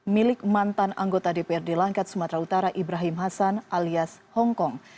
milik mantan anggota dprd langkat sumatera utara ibrahim hasan alias hongkong